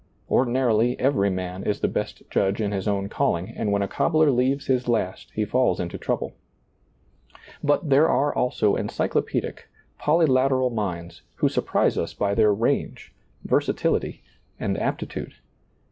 Ordinarily, every man is the best judge in his own calling, and when a cobbler leaves his last he falls into trouble But there are also encyclopedic, polylateral minds, who surprise us by their range, versatility, and aptitude.